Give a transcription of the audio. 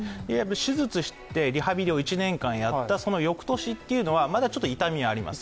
手術してリハビリを１年間やったその翌年はまだ痛みがあります